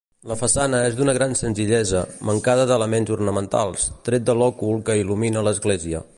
La façana és d'una gran senzillesa, mancada d'elements ornamentals, tret de l'òcul que il·lumina l'església.